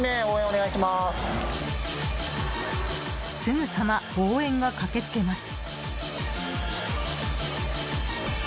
すぐさま応援が駆けつけます。